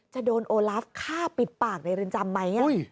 จะโดนโอลาฟฆ่าปิดปากในเรือนจำไหม